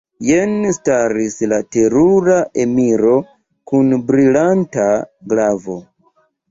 Jen staris la terura emiro kun brilanta glavo.